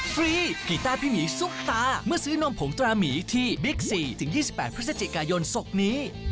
ฟรีกีต้าพี่หมีซุปตาเมื่อซื้อนมผงตราหมีที่บิ๊ก๔๒๘พฤศจิกายนศุกร์นี้